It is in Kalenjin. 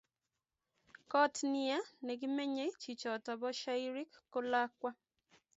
koot nie nekimenyei chichoto bo shairik ko lakwa